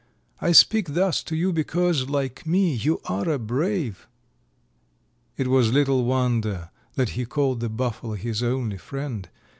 I speak thus to you because, like me, you are a brave.' It was little wonder that he called the Buffalo his only friend.